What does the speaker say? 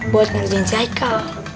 buat ngerjain saikal